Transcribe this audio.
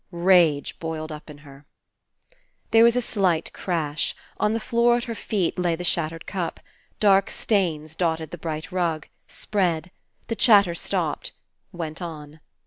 Rage boiled up in her. There was a slight crash. On the floor at her feet lay the shattered cup. Dark stains dotted the bright rug. Spread. The chatter stopped. Went on.